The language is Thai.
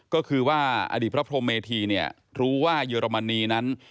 ก็คือว่าอดีตพระพรมเมธีเนี่ยรู้ว่าเยอรมนีนั้น